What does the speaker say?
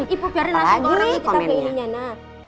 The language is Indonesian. ibu biarin langsung ke orang kita pahaminnya